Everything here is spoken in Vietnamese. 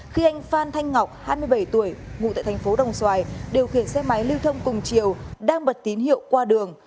khi anh phan thanh ngọc hai mươi bảy tuổi ngủ tại tp đồng xoài điều khiển xe máy liều thông cùng chiều đang bật tín hiệu qua đường